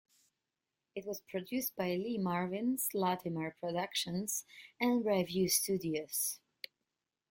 It was produced by Lee Marvin's Latimer Productions and Revue Studios.